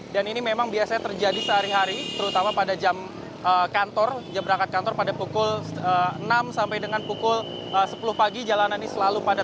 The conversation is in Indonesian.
ini memang biasanya terjadi sehari hari terutama pada jam kantor jam berangkat kantor pada pukul enam sampai dengan pukul sepuluh pagi jalanan ini selalu padat